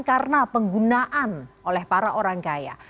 karena penggunaan oleh para orang kaya